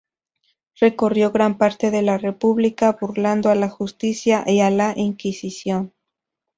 Recorrió gran parte de la República burlando a la justicia y a la Inquisición.